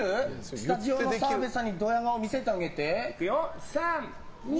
スタジオの澤部さんにドヤ顔見せてあげて。